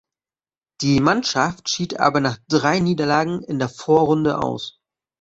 Die Mannschaft schied aber nach drei Niederlagen in der Vorrunde aus.